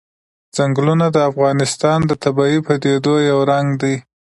ځنګلونه د افغانستان د طبیعي پدیدو یو رنګ دی.